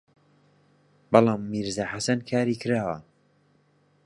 بەڵام «میرزا حەسەن» کاری کراوە